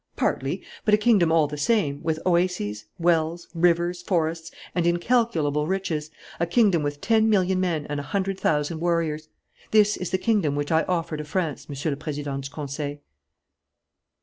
Partly, but a kingdom all the same, with oases, wells, rivers, forests, and incalculable riches, a kingdom with ten million men and a hundred thousand warriors. This is the kingdom which I offer to France, Monsieur le Président du Conseil."